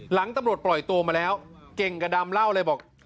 หลังตำรวจปล่อยตัวมาแล้วเก่งกับดำเล่าเลยบอก